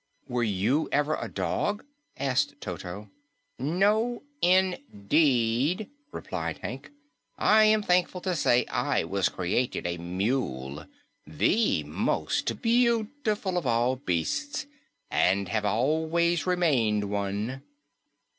"Were you ever a dog?" asked Toto. "No indeed," replied Hank. "I am thankful to say I was created a mule the most beautiful of all beasts and have always remained one."